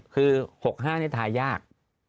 คือ๖๕นี่ทายาก